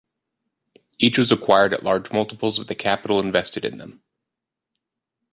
Each was acquired at large multiples of the capital invested in them.